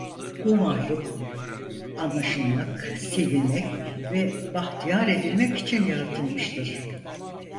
Bu mahluk, anlaşılmak, sevilmek ve bahtiyar edilmek için yaratılmıştır.